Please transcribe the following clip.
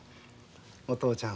お父ちゃん